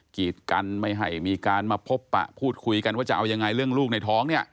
กีดกันไม่ให้มีการมาพบปะพูดคุยกันว่าจะเอายังไงเรื่องลูกในท้องเนี่ย